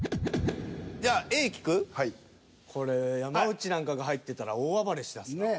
じゃあこれ山内なんかが入ってたら大暴れしだすなぁ。